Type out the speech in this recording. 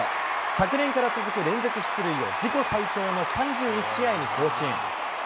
昨年から続く連続出塁を自己最長の３１試合に更新。